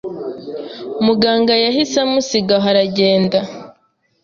Muganga yahise amusiga aho aragenda